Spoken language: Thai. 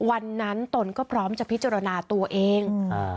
วันนั้นตนก็พร้อมจะพิจารณาตัวเอง